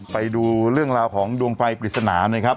ไปดูเรื่องราวของดวงไฟปริศนานะครับ